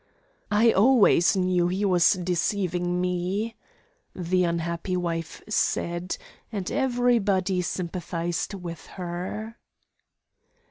'I always knew he was deceiving me,' the unhappy wife said, and everybody sympathised with her.